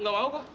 nggak mau kak